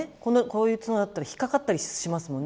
こういう角だったら引っ掛かったりしますもんね